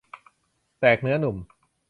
แตกเนื้อหนุ่ม